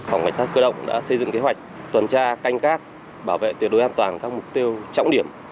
phòng cảnh sát cơ động đã xây dựng kế hoạch tuần tra canh gác bảo vệ tuyệt đối an toàn các mục tiêu trọng điểm